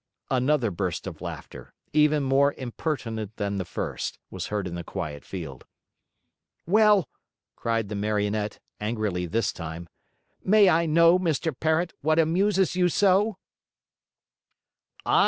Another burst of laughter, even more impertinent than the first, was heard in the quiet field. "Well," cried the Marionette, angrily this time, "may I know, Mr. Parrot, what amuses you so?"